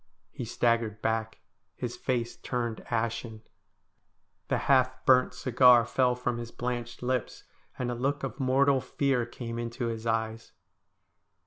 He staggered back. His face turned ashen. The half THE STORY OF A HANGED MAN 289 burnt cigar fell from his blanched lips, and a look of mortal fear came into his eyes.